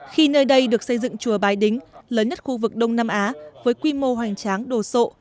khi nơi đây được xây dựng chùa bái đính lớn nhất khu vực đông nam á với quy mô hoành tráng đồ sộ